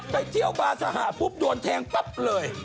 ไปเที่ยวบาร์สหาปุ๊บโยนแทงปปเลย